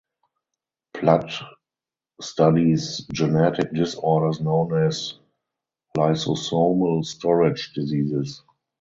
Platt studies genetic disorders known as lysosomal storage diseases.